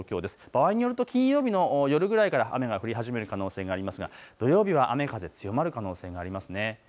場合によると金曜日の夜くらいから雨が降り始める可能性がありますが土曜日は雨風、強まる可能性もあります。